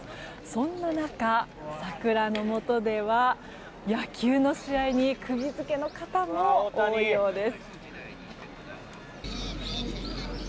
そんな中、桜の下では野球の試合に釘付けの方も多いようです。